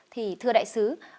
thì thưa đại sứ